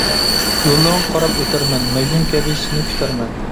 يوللىرىڭغا قاراپ ئۆتەرمەن، مەجنۇن كەبى سىنى كۈتەرمەن.